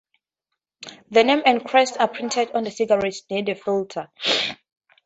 The name and crest are printed on the cigarette near the filter.